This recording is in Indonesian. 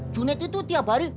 junet itu tiap hari